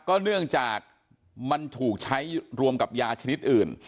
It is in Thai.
เนื่องจากมันถูกใช้รวมกับยาชนิดอื่น